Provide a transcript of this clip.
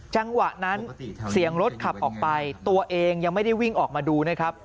จังหวะนั้นเสียงรถขับออกไปตัวเองยังไม่ได้วิ่งออกมาดูนะครับ